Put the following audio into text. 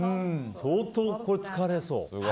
相当疲れそう。